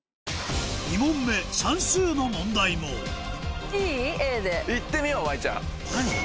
２問目算数の問題も行ってみよう麻衣ちゃん。